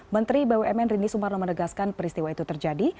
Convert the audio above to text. menteri bumn rini sumarno menegaskan peristiwa itu terjadi